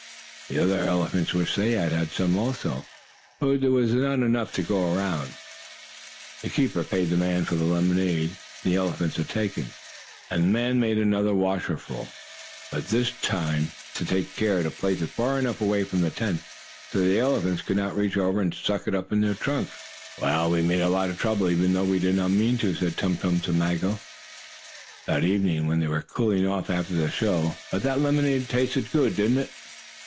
The other elephants wished they had had some also, but there was not enough to go around. The keeper paid the man for the lemonade the elephants had taken, and the man made another washtub full. But this he took care to place far enough away from the tent, so the elephants could not reach over and suck it up in their trunks. "Well, we made a lot of trouble, even though we did not mean to," said Tum Tum to Maggo that evening, when they were cooling off after the show. "But that lemonade tasted good, didn't it?"